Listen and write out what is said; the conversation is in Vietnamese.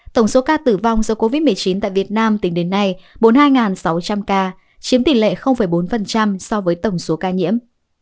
tổng số ca tử vong do covid một mươi chín tại việt nam tính đến nay bốn mươi hai sáu trăm linh ca chiếm tỷ lệ bốn so với tổng số ca nhiễm